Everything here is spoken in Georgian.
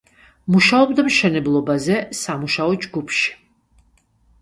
მუშაობდა მშენებლობაზე, სამუშაო ჯგუფში.